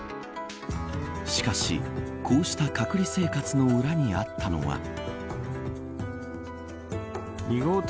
しかし、こうした隔離生活の裏にあったのは。